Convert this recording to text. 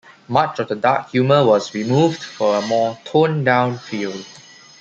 Much of the dark humor was removed, for a more "toned-down" feel.